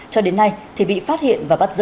cho đến nay thì bị phát hiện và bắt giữ